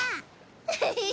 ウフフフ。